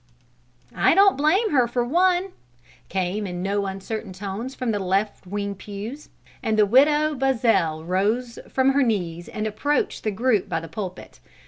"I don't blame her, for one!" came in no uncertain tones from the left wing pews, and the Widow Buzzell rose from her knees and approached the group by the pulpit.